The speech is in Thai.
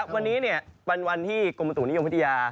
วันนี้ปันวันที่กรมตุนิยมพฤติยา